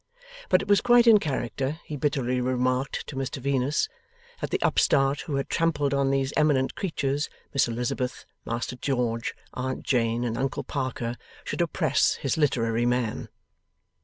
But it was quite in character, he bitterly remarked to Mr Venus, that the upstart who had trampled on those eminent creatures, Miss Elizabeth, Master George, Aunt Jane, and Uncle Parker, should oppress his literary man.